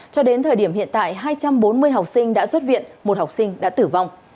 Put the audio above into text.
cho đến thời điểm hiện tại hai trăm bốn mươi học sinh đã xuất viện một học sinh đã tử vong